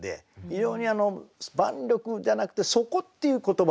非常に万緑じゃなくて「底」っていう言葉をね